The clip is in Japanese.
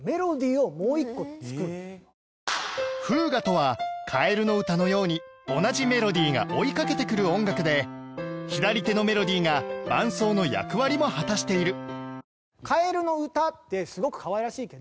フーガとは『かえるのうた』のように同じメロディが追いかけてくる音楽で左手のメロディが伴奏の役割も果たしている